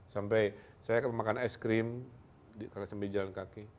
sampai saya makan es krim sampai jalan kaki